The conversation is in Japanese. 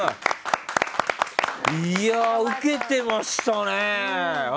ウケてましたね！